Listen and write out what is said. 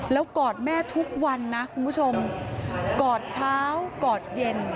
แล้วกอดแม่ทุกวันนะคุณผู้ชมกอดเช้ากอดเย็น